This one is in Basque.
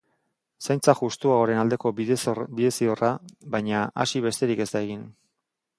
Zaintza justuagoaren aldeko bidezidorra, baina, hasi besterik ez da egin.